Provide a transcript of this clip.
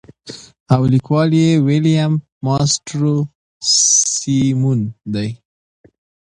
او ليکوال ئې William Mastrosimoneدے.